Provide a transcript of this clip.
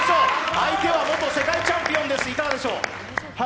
相手は元世界チャンピオンですいかがでしょう？